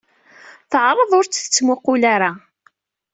Teɛreḍ ur t-tettmuqqul ara.